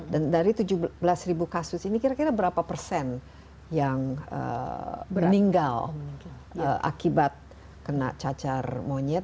dan dari tujuh belas kasus ini kira kira berapa persen yang meninggal akibat kena cacar monyet